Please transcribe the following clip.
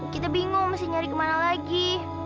kita bingung mesti nyari kemana lagi